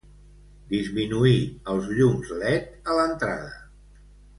Disminuir els llums led a l'entrada.